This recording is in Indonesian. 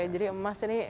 jadi emas ini